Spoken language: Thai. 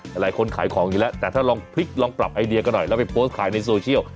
หลายคนขายของอยู่แล้วแต่ถ้าลองพลิกลองปรับไอเดียกันหน่อยแล้วไปโพสต์ขายในโซเชียล